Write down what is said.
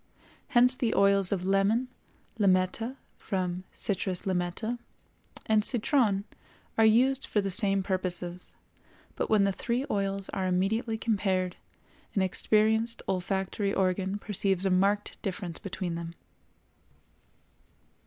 Hence the oils of lemon, limetta (from Citrus Limetta), and citron are used for the same purposes; but when the three oils are immediately compared, an experienced olfactory organ perceives a marked difference between them.